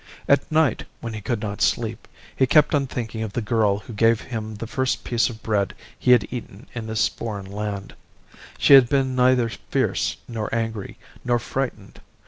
At night, when he could not sleep, he kept on thinking of the girl who gave him the first piece of bread he had eaten in this foreign land. She had been neither fierce nor angry, nor frightened.